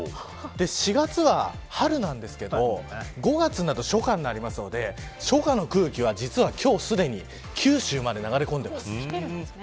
４月は春なんですけど５月になると初夏になるので初夏の空気は、実は今日すでに九州まで流れ込んでます。